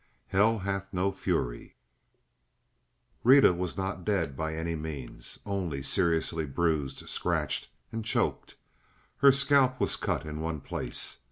"Hell Hath No Fury—" Rita was not dead by any means—only seriously bruised, scratched, and choked. Her scalp was cut in one place.